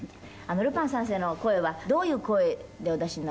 ルパン三世の声はどういう声でお出しになるんですか？